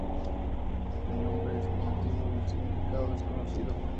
El nombre es muy antiguo y el significado desconocido.